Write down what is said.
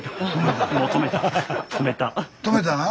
止めたな？